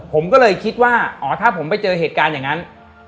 ผมก็เลยคิดว่าอ๋อถ้าผมไปเจอเหตุการณ์อย่างนั้น